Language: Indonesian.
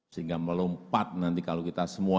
sehingga melompat nanti kalau kita semua